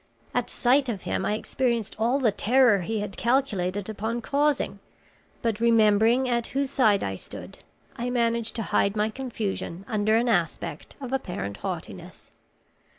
At sight of him I experienced all the terror he had calculated upon causing, but remembering at whose side I stood, I managed to hide my confusion under an aspect of apparent haughtiness.